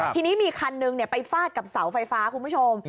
ทีนี้มีคันหนึ่งไปฟาดกับเสาไฟฟ้าคุณผู้ชม